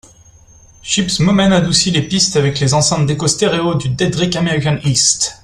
Chips Momen adoucit les pistes avec les enceintes d'écho stéréo du Deadrick American East.